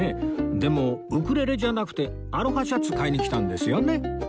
でもウクレレじゃなくてアロハシャツ買いに来たんですよね